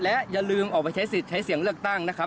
และอย่าลืมออกไปใช้สิทธิ์ใช้เสียงเลือกตั้งนะครับ